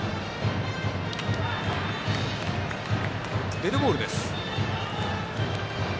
デッドボールです。